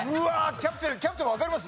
キャプテンわかります？